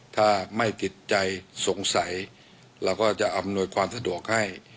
ถ้าไม่ติดใจสงสัยเราก็จะอำนวยความสะดวกให้